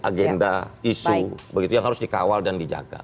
agenda isu begitu yang harus dikawal dan dijaga